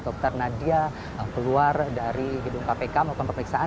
dr nadia keluar dari gedung kpk melakukan pemeriksaan